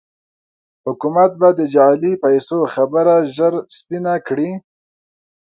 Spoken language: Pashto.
حکومت به د جعلي پيسو خبره ژر سپينه کړي.